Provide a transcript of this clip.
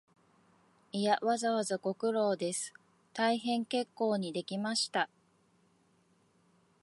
いや、わざわざご苦労です、大変結構にできました